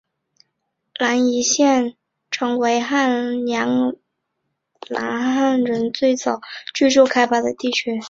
宜兰县礁溪乡二龙村成为兰阳汉人最早居住开发的地区。